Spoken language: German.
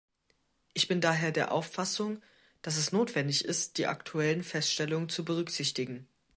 Ich bin daher der Auffassung, dass es notwendig ist, die aktuellen Feststellungen zu berücksichtigen.